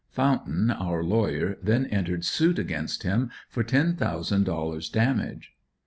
Fountain, our lawyer then entered suit against him for ten thousand dollars damage.